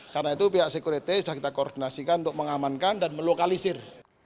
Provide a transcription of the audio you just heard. karena itu pihak sekuriti sudah kita koordinasikan untuk mengamankan dan melokalisir